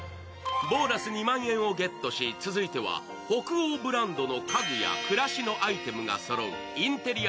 ボーナス２万円をゲットし、続いては北欧ブランドの家具や暮らしのアイテムがそろうインテリア